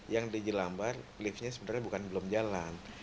yang di jelambar liftnya sebenarnya bukan belum jalan